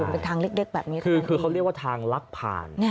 เป็นทางเล็กแบบนี้ค่ะคือเขาเรียกว่าทางลักผ่าน